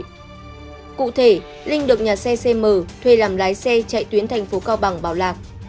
cụ thể linh được nhà xe cm thuê làm lái xe chạy tuyến tp cao bằng bảo lạc